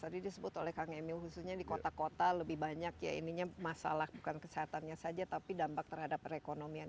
tadi disebut oleh kang emil khususnya di kota kota lebih banyak ya ininya masalah bukan kesehatannya saja tapi dampak terhadap perekonomian